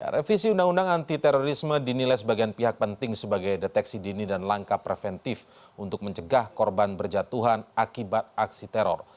revisi undang undang anti terorisme dinilai sebagian pihak penting sebagai deteksi dini dan langkah preventif untuk mencegah korban berjatuhan akibat aksi teror